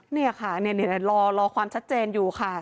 นี่ค่ะรอความชัดเจนอยู่ค่ะ